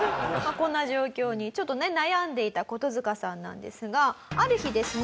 こんな状況にちょっとね悩んでいたコトヅカさんなんですがある日ですね